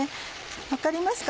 分かりますか？